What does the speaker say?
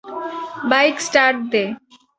Bike start they.